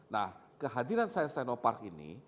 nah kehadiran science tenno park ini